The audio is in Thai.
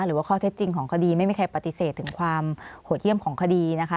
หรือว่าข้อเท็จจริงของคดีไม่มีใครปฏิเสธถึงความโหดเยี่ยมของคดีนะคะ